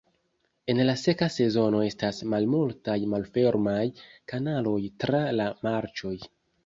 En la seka sezono estas malmultaj malfermaj kanaloj tra la marĉoj.